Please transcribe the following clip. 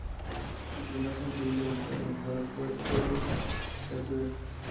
El primer sencillo en ser lanzado fue, "Hey Whatever".